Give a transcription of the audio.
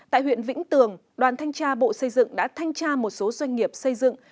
tại huyện vĩnh tường đoàn thanh tra bộ xây dựng đã thanh tra một số doanh nghiệp xây dựng